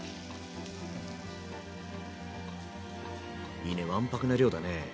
いいねわんぱくな量だね。